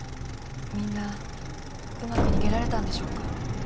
みんなうまく逃げられたんでしょうか？